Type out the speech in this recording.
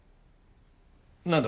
何だ？